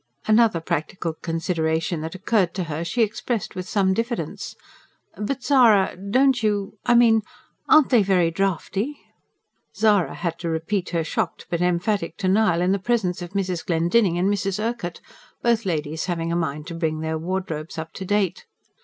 Another practical consideration that occurred to her she expressed with some diffidence. "But Zara, don't you ... I mean ... aren't they very draughty?" Zara had to repeat her shocked but emphatic denial in the presence of Mrs. Glendinning and Mrs. Urquhart, both ladies having a mind to bring their wardrobes up to date.